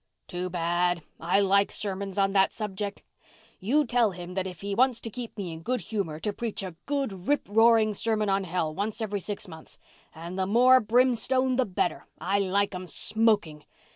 "Too bad. I like sermons on that subject. You tell him that if he wants to keep me in good humour to preach a good rip roaring sermon on hell once every six months—and the more brimstone the better. I like 'em smoking.